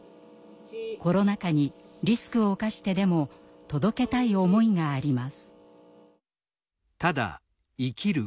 コロナ禍にリスクを冒してでも届けたい思いがあります。